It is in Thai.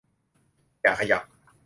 อย่าขยับ